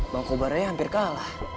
bangkobaranya hampir kalah